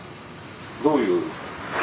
どういう？